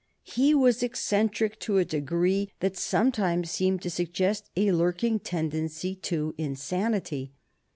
He was eccentric to a degree that sometimes seemed to suggest a lurking tendency to insanity.